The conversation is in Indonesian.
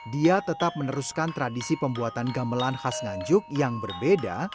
dia tetap meneruskan tradisi pembuatan gamelan khas nganjuk yang berbeda